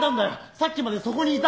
さっきまでそこにいた。